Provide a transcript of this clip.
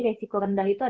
resiko rendah juga